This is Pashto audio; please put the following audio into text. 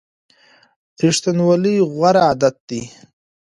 ریښتینولي غوره عادت دی.